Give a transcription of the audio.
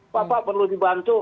bapak perlu dibantu